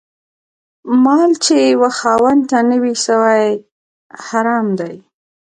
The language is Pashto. مال چي و خاوند ته نه وي سوی، حرام دی